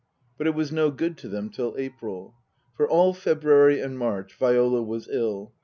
But it was no good to them till April. For all February and March Viola was ill.